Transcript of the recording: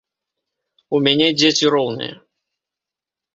У мяне дзеці роўныя.